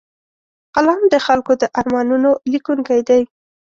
قلم د خلکو د ارمانونو لیکونکی دی